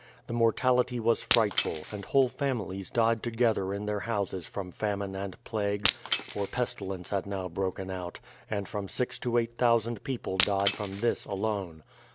The mortality was frightful, and whole families died together in their houses from famine and plague; for pestilence had now broken out, and from six to eight thousand people died from this alone.